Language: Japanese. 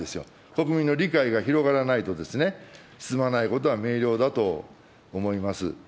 国民の理解が広がらないとですね、進まないことは明瞭だと思います。